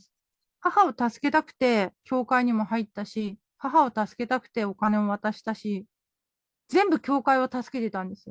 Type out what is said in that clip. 母を助けたくて教会にも入ったし、母を助けたくてお金も渡したし、全部教会を助けてたんですよ。